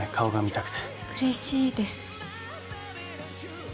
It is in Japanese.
うれしいです。